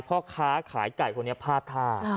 พ่อค้าขายไก่คนนี้พลาดท่า